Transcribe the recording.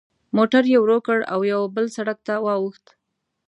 موټر یې ورو کړ او یوه بل سړک ته واوښت.